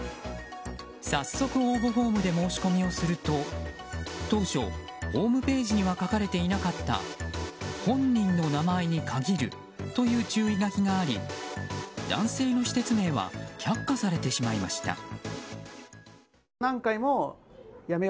早速、応募フォームで申し込みをすると当初、ホームページには書かれていなかった本人の名前に限るという注意書きがあり男性の施設名は却下されてしまいました。